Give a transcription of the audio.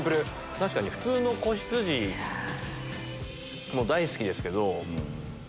確かに普通の仔羊も大好きですけど。